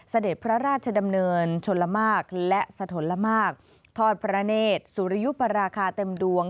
เสด็จพระราชดำเนินชนละมากและสะทนละมากทอดพระเนธสุริยุปราคาเต็มดวง